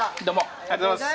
ありがとうございます。